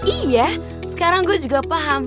iya sekarang gue juga paham